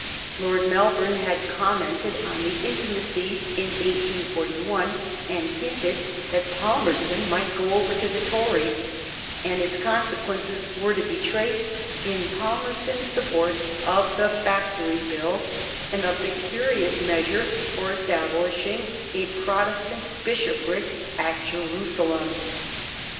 Lord Melbourne had commented on the intimacy in 1841, and hinted that Falmerston might go over to the Tories ; and its consequences are to be traced in Pal merston's support of the Factory Bill, and of the curious measure for establishing a Protestant Bishopric at Jeru salem.